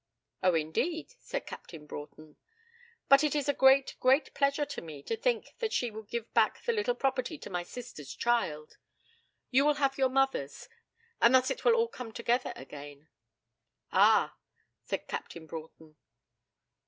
'Oh, indeed,' said Captain Broughton. 'But it is a great, great pleasure to me to think that she will give back the little property to my sister's child. You will have your mother's, and thus it will all come together again.' 'Ah!' said Captain Broughton.